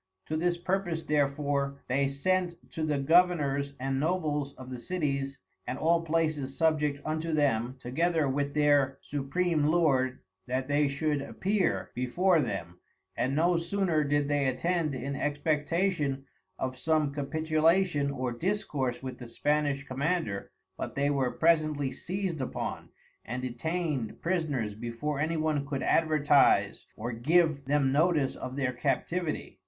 To this purpose therefore they sent to the Governours and Nobles of the Cities, and all Places subject unto them, together with their supream Lord, that they should appear before them, and no soner did they attend in expectation of some Capitulation or discourse with the Spanish Commander, but they were presently seized upon and detained prisoners before any one could advertise or give them notice of their Captivity.